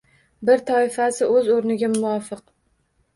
Bir toifasi o‘z o‘rniga muvofiq.